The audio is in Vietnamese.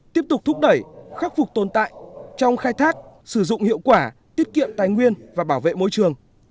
tiếp tục thúc đẩy khắc phục tồn tại trong khai thác sử dụng hiệu quả tiết kiệm tài nguyên và bảo vệ môi trường